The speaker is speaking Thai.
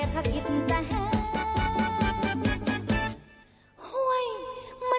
จะหลอกันล่ะครับพ่อพี่อู๋น